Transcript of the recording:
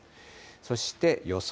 そして予想